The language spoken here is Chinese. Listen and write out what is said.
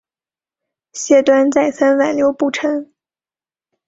谢端再三挽留不成。